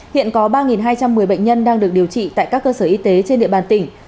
hiện có ba hai trăm một mươi bệnh nhân đang được điều trị tại các cơ sở y tế trên địa bàn tỉnh